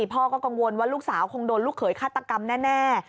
พ่อก็กังวลว่าลูกสาวคงโดนลูกเขยฆาตกรรมแน่